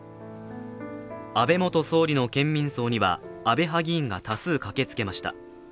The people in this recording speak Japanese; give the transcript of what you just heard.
安倍元総理の県民葬には安倍派議員が多数駆けつけました。